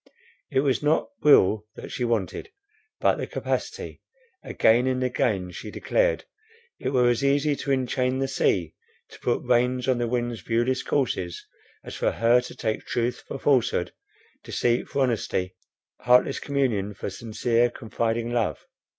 It was not will that she wanted, but the capacity; again and again she declared, it were as easy to enchain the sea, to put reins on the wind's viewless courses, as for her to take truth for falsehood, deceit for honesty, heartless communion for sincere, confiding love.